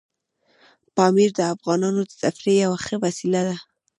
پامیر د افغانانو د تفریح یوه ښه وسیله ده.